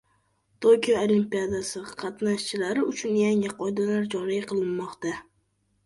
Tokio Olimpiadasi qatnashchilarilari uchun yangi qoidalar joriy qilinmoqda